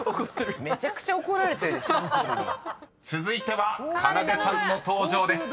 ［続いてはかなでさんの登場です